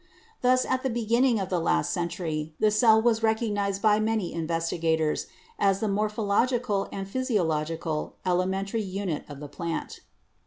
Thus, at the begin ning of the last century, the cell was recognised by many investigators as the morphological and physiological ele mentary unit of the plant."